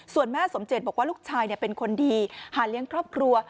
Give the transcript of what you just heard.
ส่วนแม่สมเจตบอกว่าลูกชายเป็นคนดีหาเลี้ยงครอบครัว